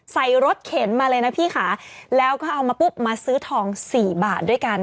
ใส่รถเข็นมาเลยนะพี่ค่ะแล้วก็เอามาปุ๊บมาซื้อทองสี่บาทด้วยกัน